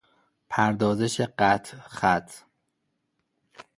پردازش قطع - خط